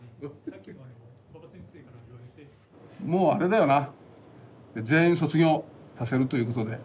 もうあれだよな全員卒業させるということで。